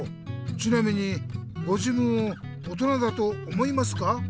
ちなみにご自分を大人だと思いますか？